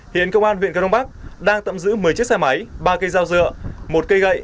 hiện công an huyện cơ đông bắc đang tạm giữ một mươi chiếc xe máy ba cây dao dựa một cây gậy